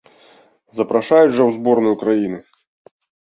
Запрашаюць жа ў зборную краіны!